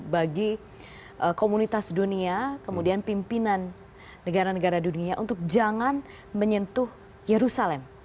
bagi komunitas dunia kemudian pimpinan negara negara dunia untuk jangan menyentuh yerusalem